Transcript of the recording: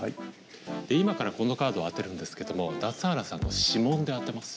で今からこのカードを当てるんですけども夏原さんの指紋で当てます。